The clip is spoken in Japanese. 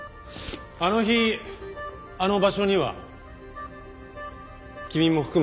あの日あの場所には君も含めて４人いた。